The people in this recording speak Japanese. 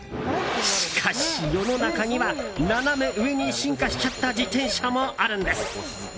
しかし世の中にはナナメ上に進化しちゃった自転車もあるんです。